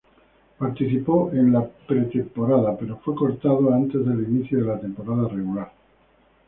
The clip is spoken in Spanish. Participó en la pretemporada, pero fue cortado antes del inicio de la temporada regular.